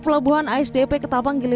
pelabuhan asdp ketapang gilemanuk